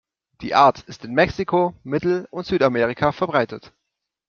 Die Art ist in Mexiko, Mittel- und Südamerika verbreitet.